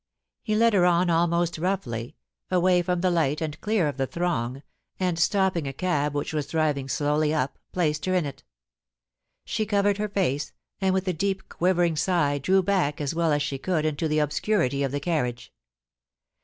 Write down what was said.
He led her on almost roughly, away from the light and clear of the throng, and stopping a cab which was driving slowly up, placed her in it She covered her face, and with a deep quivering sigh drew back as well as she could into the obscurity of the carriage.